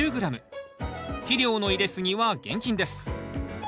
肥料の入れすぎは厳禁です。